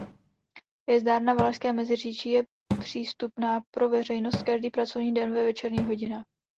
Hvězdárna Valašské Meziříčí je přístupná pro veřejnost každý pracovní den ve večerních hodinách.